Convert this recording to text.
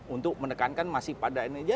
untuk menekankan masih pada energi